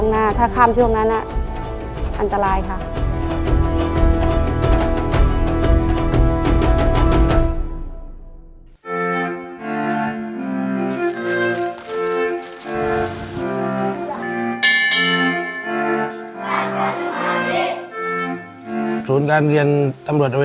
ในแคมเปญพิเศษเกมต่อชีวิตโรงเรียนของหนู